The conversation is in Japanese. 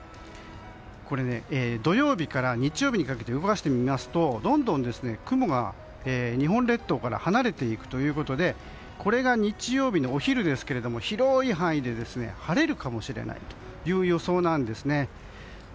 土曜日から日曜日にかけて動かしてみますとどんどん雲が日本列島から離れていくということで日曜日のお昼、広い範囲で晴れるかもしれないという予想なんです。